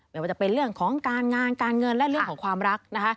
ไม่ว่าจะเป็นเรื่องของการงานการเงินและเรื่องของความรักนะคะ